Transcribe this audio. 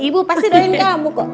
ibu pasti dengerin kamu kok